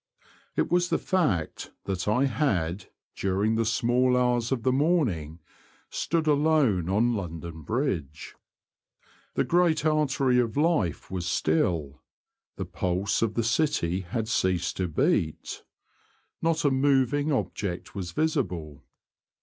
It was the fact that I had, during the small hours of the morning, stood alone on London Bridge. The great artery of life was still ; the pulse of the city had ceased to beat. Not a moving object was visible.